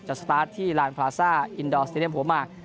สตาร์ทที่ลานพลาซ่าอินดอร์สเตรียมหัวมาก